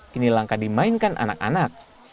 kini langka dimainkan anak anak